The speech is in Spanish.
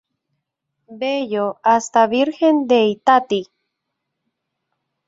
Bello hasta Virgen de Itatí.